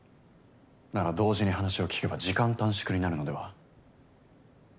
なら同時に話を聞けば時間短縮になるのでは？